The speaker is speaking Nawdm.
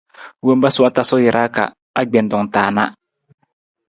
Wompa sa wa tasu jara ka agbentung ta na.